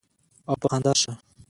او پۀ خندا شۀ ـ